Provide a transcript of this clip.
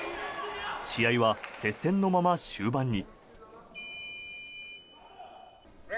試合は接戦のまま終盤に。